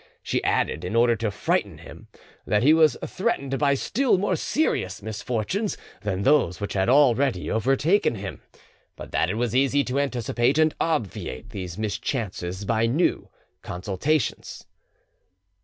She added, in order to frighten him, that he was threatened by still more serious misfortunes than those which had already overtaken him, but that it was easy to anticipate and obviate these mischances by new consultations.